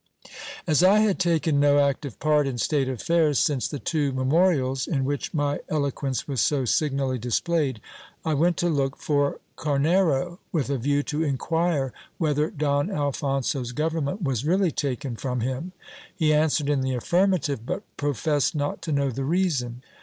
As I had taken no active part in state affairs since the two memorials, in which my eloquence was so signally displayed, I went to look for Camero, with a view to inquire whether Don Alphonso's government was really taken from him. He answered in the affirmative, but professed not to know the reason.